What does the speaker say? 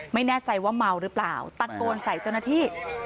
ไม่แน่ใจว่าเมาหรือเปล่าตะโกนใส่เจ้าหน้าที่